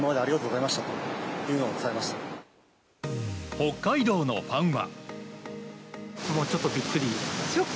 北海道のファンは。